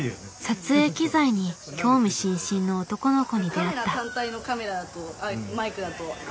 撮影機材に興味津々の男の子に出会った。